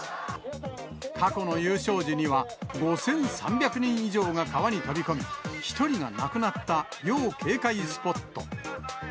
過去の優勝時には、５３００人以上が川に飛び込み、１人が亡くなった要警戒スポット。